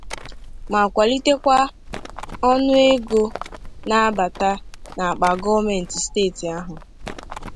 ma kwalitekwa ọnụego na-abata n'akpa gọọmenti steeti ahụ